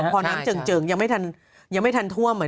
พอน้ำเจิงยังไม่ทันท่วม